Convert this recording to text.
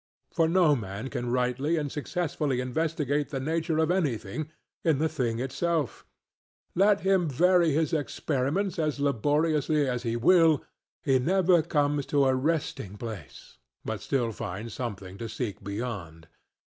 For no man can rightly and successfully investigate the nature of anything in the thing itself; let him vary his experiments as laboriously as he will, he never comes to a resting place, but still finds something to seek beyond.